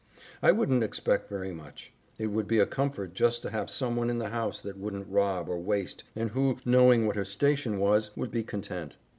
I wouldn't expect very much. It would be a comfort just to have someone in the house that wouldn't rob or waste, and who, knowing what her station was, would be content.